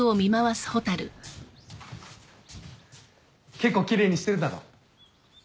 結構奇麗にしてるだろ。